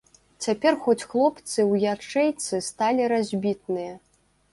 Цяпер хоць хлопцы ў ячэйцы сталі разбітныя.